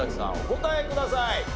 お答えください。